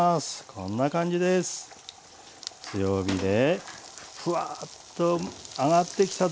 こんな感じですよね。